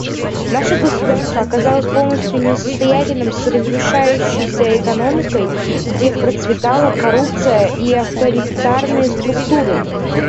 Наше государство оказалось полностью несостоятельным с разрушающейся экономикой, где процветала коррупция и авторитарные структуры.